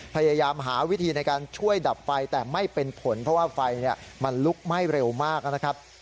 พยายามหาวิธีในการช่วยดับไฟแต่ไม่เป็นผลเพราะว่าไฟมันลุกไหม้เร็วมากนะครับ